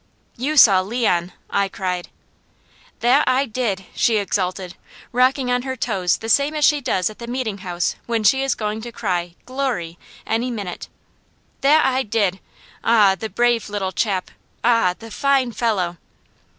"You saw Leon!" I cried. "That I did!" she exulted, rocking on her toes the same as she does at the Meeting House when she is going to cry, "Glory!" any minute. "That I did! Ah! the brave little chap! Ah! the fine fellow!"